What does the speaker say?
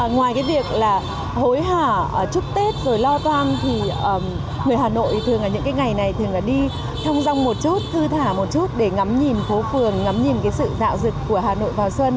ngoài cái việc là hối hả chúc tết rồi lo toan thì người hà nội thường là những cái ngày này thường là đi thông rông một chút thư thả một chút để ngắm nhìn phố phường ngắm nhìn cái sự dạo dực của hà nội vào xuân